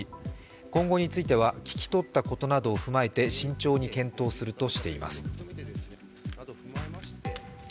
今後については聞き取ったことなどを踏まえて慎重に検討するとしています。